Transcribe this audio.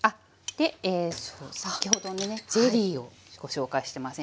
で先ほどのねゼリーをご紹介してませんでした。